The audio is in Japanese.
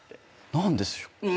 何でしょうかね。